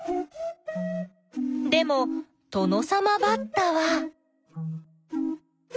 でもトノサマバッタは。